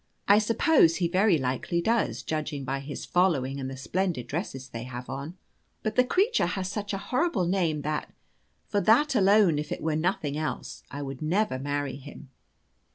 I suppose be very likely does, judging by his following and the splendid dresses they have on. But the creature has such a horrible name that, for that alone if it were for nothing else, I never would marry him.